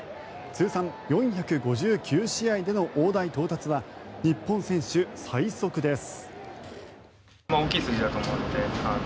通算４５９試合での大台到達は日本選手最速です。